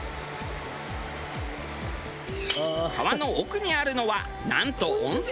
川の奥にあるのはなんと温泉。